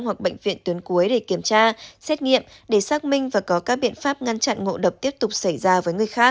hoặc bệnh viện tuyến cuối để kiểm tra xét nghiệm để xác minh và có các biện pháp ngăn chặn ngộ độc tiếp tục xảy ra với người khác